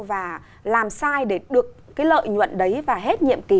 và làm sai để được cái lợi nhuận đấy và hết nhiệm kỳ